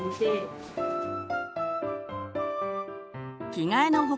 着替えの他